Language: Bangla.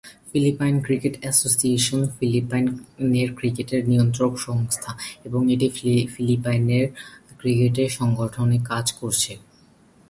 ফিলিপাইন ক্রিকেট অ্যাসোসিয়েশন, ফিলিপাইনের ক্রিকেটের নিয়ন্ত্রক সংস্থা এবং এটি ফিলিপাইনের ক্রিকেটের সংগঠনে কাজ করছে।